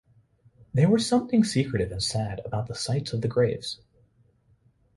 There was something secretive and sad about the sites of the graves.